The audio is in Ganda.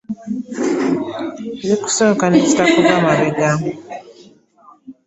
Zikusooka n'e zitakuva mabega .